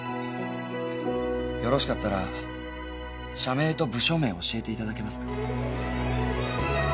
よろしかったら社名と部署名を教えていただけますか？